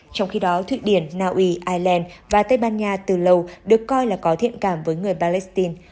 trong khi đó thụy điển naui ireland và tây ban nha từ lâu được coi là có thiện cảm với người palestine